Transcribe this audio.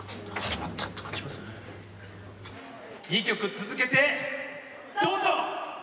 ２曲続けてどうぞ！